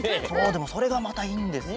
でもそれがまたいいんですよ。